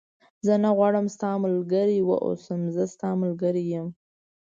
زه نه غواړم ستا ملګری و اوسم، زه ستا ملګری یم.